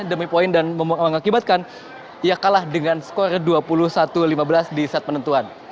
demi poin dan mengakibatkan ia kalah dengan skor dua puluh satu lima belas di set penentuan